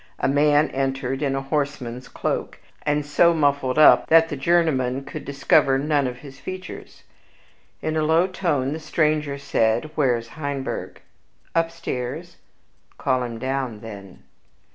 A man entered in a horseman's cloak, and so muffled up that the journeyman could discover none of his features. In a low tone the stranger said, "Where's Heinberg?" "Upstairs." "Call him down, then."